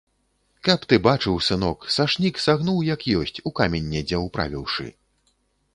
Каб ты бачыў, сынок, сашнік сагнуў як ёсць, у камень недзе ўправіўшы.